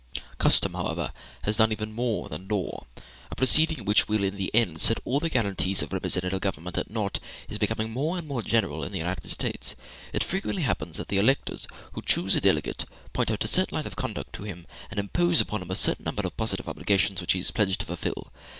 Custom, however, has done even more than law. A proceeding which will in the end set all the guarantees of representative government at naught is becoming more and more general in the United States; it frequently happens that the electors, who choose a delegate, point out a certain line of conduct to him, and impose upon him a certain number of positive obligations which he is pledged to fulfil.